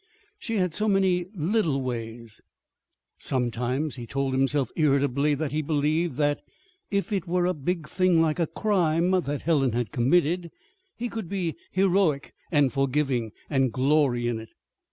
She had so many little ways Sometimes he told himself irritably that he believed that, if it were a big thing like a crime that Helen had committed, he could be heroic and forgiving, and glory in it.